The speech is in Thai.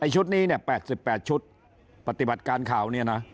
ชุดนี้๘๘ชุดปฏิบัติการข่าว